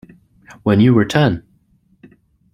When you were ten!